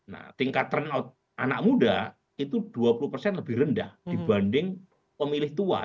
nah tingkat turnout anak muda itu dua puluh persen lebih rendah dibanding pemilih tua